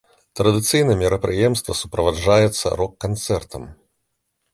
Традыцыйна мерапрыемства суправаджаецца рок-канцэртам.